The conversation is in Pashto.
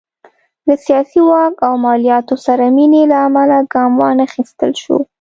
له سیاسي واک او مالیاتو سره مینې له امله ګام وانخیستل شو.